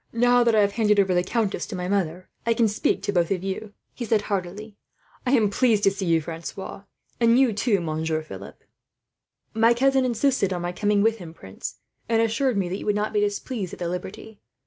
"Now that I have handed over the countess to my mother, I can speak to you both," he said heartily. "I am pleased to see you, Francois, and you too, Monsieur Philip." "My cousin insisted on my coming with him, prince, and assured me that you would not be displeased at the liberty.